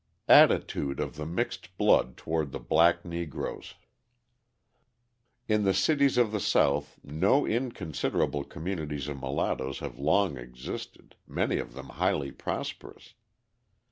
Attitude of the Mixed Blood Toward the Black Negroes In the cities of the South no inconsiderable communities of mulattoes have long existed, many of them highly prosperous.